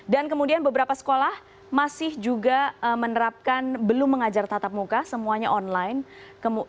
dan kemudian beberapa sekolah masih juga menerapkan belum mengajar tatap muka semuanya online